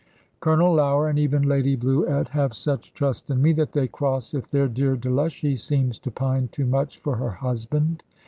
Colonel Lougher, and even Lady Bluett, have such trust in me, that they cross if their dear Delushy seems to pine too much for her husband.